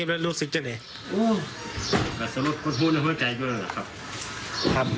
และรู้สึกเธอมีอยู่ในหัวหน้า